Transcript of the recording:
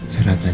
siar hat aja